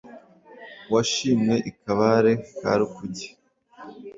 Washimwe i Kabare ka Rukuge,